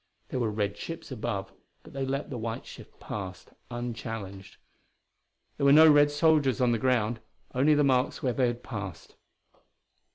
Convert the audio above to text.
There were red ships above, but they let the white ship pass unchallenged. There were no Red soldiers on the ground only the marks where they had passed.